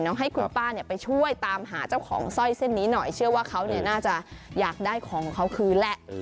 ให้คุณป้าไปช่วยตามหาเจ้าของสร้อยเส้นนี้หน่อยเชื่อว่าเขาน่าจะอยากได้ของเขาคืนแหละ